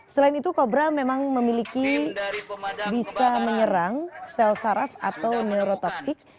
selain itu kobra memang memiliki bisa menyerang sel saraf atau neurotoksik